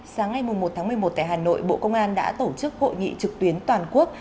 sáng ngày một một mươi một tại hà nội bộ công an đã tổ chức hội nghị trực tuyến toàn quốc